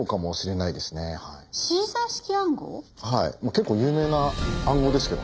結構有名な暗号ですけどね。